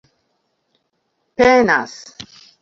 penas